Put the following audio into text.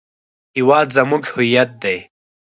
هېواد زموږ هویت دی